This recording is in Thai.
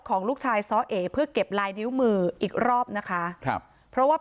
ของลูกชายซ้อเอเพื่อเก็บลายนิ้วมืออีกรอบนะคะครับเพราะว่า